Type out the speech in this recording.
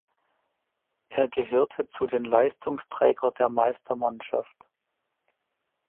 Er gehörte zu den Leistungsträger der Meistermannschaft.